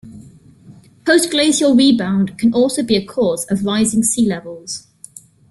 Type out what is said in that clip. Post-glacial rebound can also be a cause of rising sea levels.